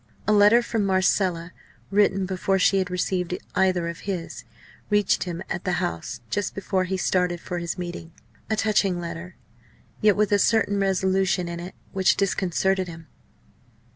A letter from Marcella written before she had received either of his reached him at the House just before he started for his meeting. A touching letter! yet with a certain resolution in it which disconcerted him.